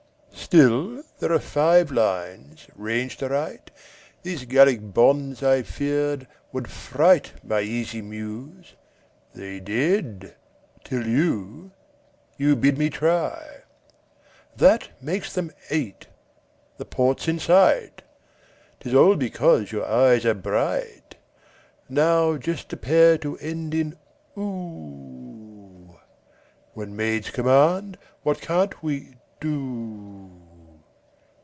Still, there are five lines ranged aright. These Gallic bonds, I feared, would fright My easy Muse. They did, till you You bid me try! That makes them eight. The port's in sight 'Tis all because your eyes are bright! Now just a pair to end in "oo" When maids command, what can't we do?